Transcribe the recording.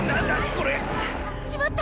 これ！しまった！